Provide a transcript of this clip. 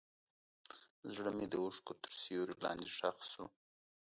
زړه مې د اوښکو تر سیوري لاندې ښخ شو.